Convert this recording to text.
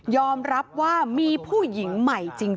รับว่ามีผู้หญิงใหม่จริง